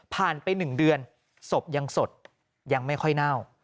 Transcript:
ไป๑เดือนศพยังสดยังไม่ค่อยเน่า